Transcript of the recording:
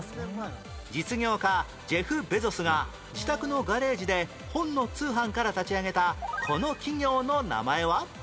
実業家ジェフ・ベゾスが自宅のガレージで本の通販から立ち上げたこの企業の名前は？